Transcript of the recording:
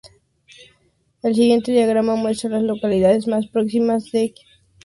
El siguiente diagrama muestran las localidades más próximas a Quantico Station.